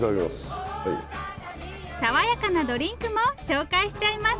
爽やかなドリンクも紹介しちゃいます！